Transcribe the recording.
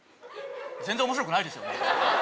全然面白くないですよね